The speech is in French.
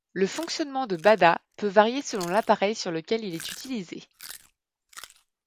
Le fonctionnement de Bada peut varier selon l'appareil sur lequel il est utilisé.